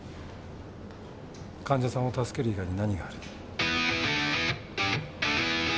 患者さんを助ける以外に何がある？